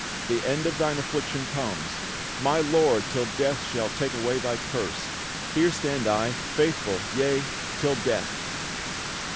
The end of thine affliction comes: My lore till death shall take thy curse away! Here stand I, faithful, yea, till death!"